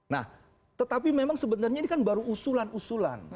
nah tetapi memang sebenarnya ini kan baru usulan usulan